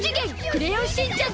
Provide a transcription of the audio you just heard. クレヨンしんちゃん